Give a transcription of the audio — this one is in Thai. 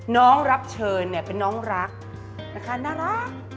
น้องรับเชิญเนี่ยเป็นน้องรักนะคะน่ารัก